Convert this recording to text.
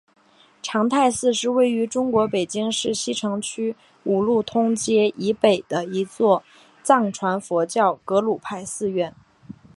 长泰寺是位于中国北京市西城区五路通街以北的一座藏传佛教格鲁派寺院。